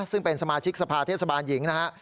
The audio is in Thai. ซึ่งเป็นสมาชิกสภาเทศบาลหญิงนะฮะ